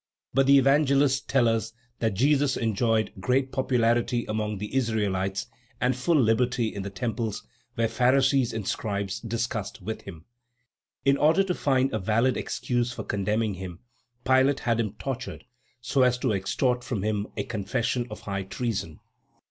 But the Evangelists tell us that Jesus enjoyed great popularity among the Israelites and full liberty in the temples, where Pharisees and scribes discussed with him. In order to find a valid excuse for condemning him, Pilate had him tortured so as to extort from him a confession of high treason.